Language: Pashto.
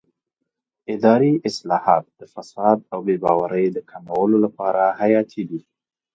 اداري اصلاحات د فساد او بې باورۍ د کمولو لپاره حیاتي دي